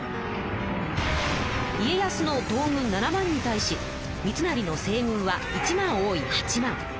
家康の東軍７万に対し三成の西軍は１万多い８万。